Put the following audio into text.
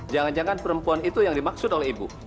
jangan jangan perempuan itu yang dimaksud oleh ibu